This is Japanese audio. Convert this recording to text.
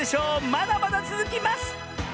まだまだつづきます！